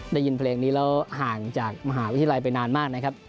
ได้ยินเพลงนี้แล้วห่างจากมหาวิทยาลัยไปนานมากนะครับ